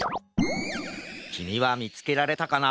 きみはみつけられたかな？